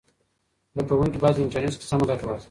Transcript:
زده کوونکي باید له انټرنیټ څخه سمه ګټه واخلي.